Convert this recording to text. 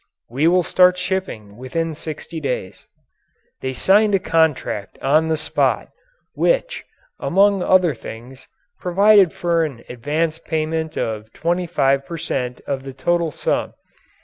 "We will start shipping within sixty days." They signed a contract on the spot, which, among other things, provided for an advance payment of 25 per cent. of the total sum.